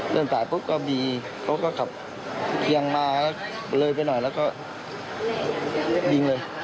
เดินสายปุ๊บก็มีเขาก็ขับเคียงมาก็เลยไปหน่อยแล้วก็ยิงเลย